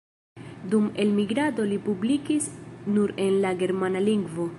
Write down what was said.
Dum elmigrado li publikis nur en la germana lingvo.